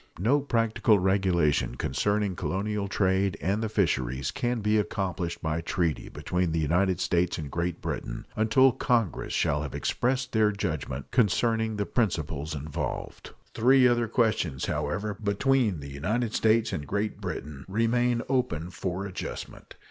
No practical regulation concerning colonial trade and the fisheries can be accomplished by treaty between the United States and Great Britain until Congress shall have expressed their judgment concerning the principles involved. Three other questions, however, between the United States and Great Britain remain open for adjustment.